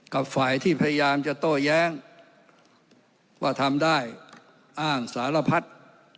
กับฝ่ายที่พยายามจะโต้แย้งว่าทำได้อ้างสารพัด